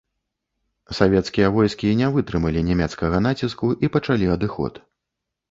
Савецкія войскі не вытрымалі нямецкага націску і пачалі адыход.